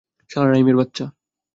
শালা রাইমের বাচ্চা।